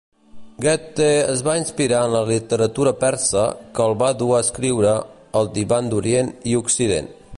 Goethe es va inspirar en la literatura persa, que el va dur a escriure "El divan d'Orient i Occident".